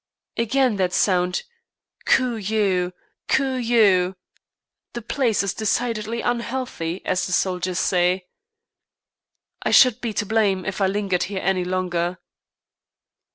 Again that sound, "Cooee you! Cooee you!" The place is decidedly unhealthy, as the soldiers say. I should be to blame if I lingered here any longer.